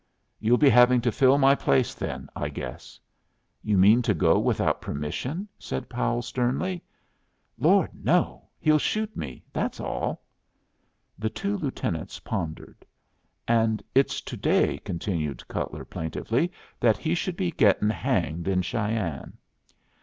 "You'll be having to fill my place, then, I guess." "You mean to go without permission?" said Powell, sternly. "Lord, no! He'll shoot me. That's all." The two lieutenants pondered. "And it's to day," continued Cutler, plaintively, "that he should be gettin' hanged in Cheyenne."